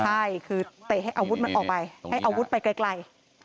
ใช่คือเตะให้อาวุธมันออกไปให้อาวุธไปไกล